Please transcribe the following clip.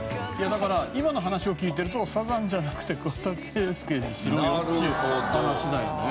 だから今の話を聞いてるとサザンじゃなくて桑田佳祐にしろよっちゅう話だよね。